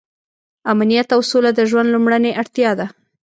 امنیت او سوله د ژوند لومړنۍ اړتیا ده.